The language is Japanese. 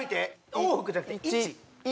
往復じゃなくて１？